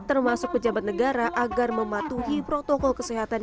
termasuk pejabat negara agar mematuhi protokol kesehatan